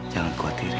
jangan khawatir ya